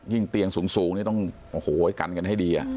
ยิ่งเตียงสูงต้องกันให้ดี